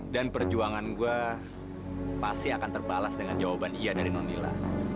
dan perjuangan gue pasti akan terbalas dengan jawaban iya dari nonila